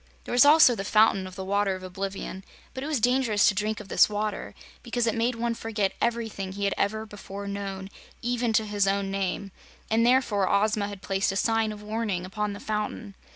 There was also the Fountain of the Water of Oblivion, but it was dangerous to drink of this water, because it made one forget everything he had ever before known, even to his own name, and therefore Ozma had placed a sign of warning upon the fountain.